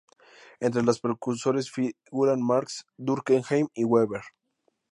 Entre los precursores figuran Marx, Durkheim y Weber.